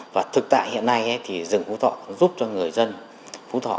và thực tại hiện nay thì rừng phú thọ giúp cho người dân phú thọ